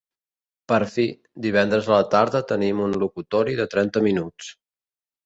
Per fi, divendres a la tarda tenim un locutori de trenta minuts.